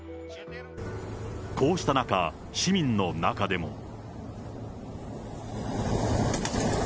こうした中、市民の中でも。